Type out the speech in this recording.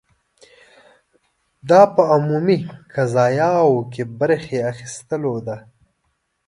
دا په عمومي قضایاوو کې برخې اخیستلو ده.